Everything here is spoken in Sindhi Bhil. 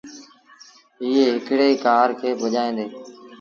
ايئي هڪڙيٚ ڪآر کي ڀڄآيآندي۔